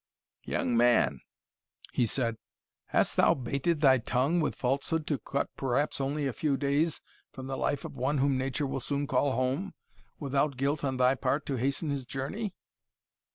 "Young man," he said, "hast thou baited thy tongue with falsehood to cut perhaps only a few days from the life of one whom Nature will soon call home, without guilt on thy part to hasten his journey?"